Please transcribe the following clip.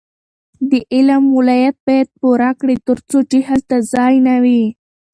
د علم ولایت باید پوره کړي ترڅو جهل ته ځای نه وي.